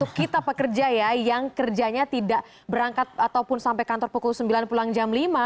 untuk kita pekerja ya yang kerjanya tidak berangkat ataupun sampai kantor pukul sembilan pulang jam lima